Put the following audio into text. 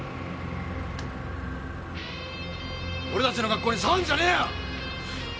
俺たちの学校に触んじゃねえよ！